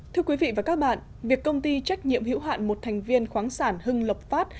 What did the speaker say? thưa quý vị và các bạn việc công ty trách nhiệm hữu hạn một thành viên khoáng sản hưng lộc phát